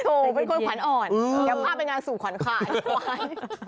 โอ้เป็นคนขวัญอ่อนยังพาไปงานสู่ขวัญค่ะไอ้ขวาย